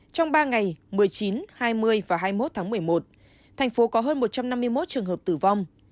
trong ba ngày một mươi chín hai mươi và hai mươi một tháng một mươi một thành phố có hơn một trăm năm mươi một trường hợp tử vong